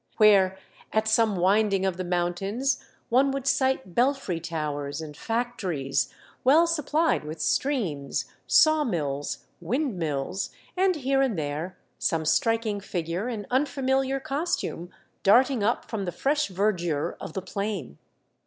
Where, at some winding of the mountains, one would sight belfry towers and factories, well sup plied with streams, saw mills, wind mills, and here and there some striking figure in unfamiliar cos tume, darting up from the fresh verdure of the plain.